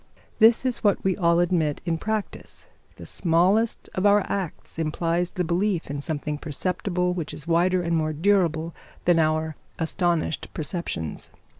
This is what we all admit in practice; the smallest of our acts implies the belief in something perceptible which is wider and more durable than our astonished perceptions.